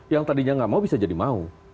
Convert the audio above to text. yang tadinya nggak mau bisa jadi mau